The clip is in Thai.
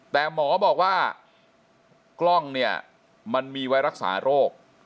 แต่หมอบอกว่ากล้องเนี่ยมันมีไว้รักษาโรค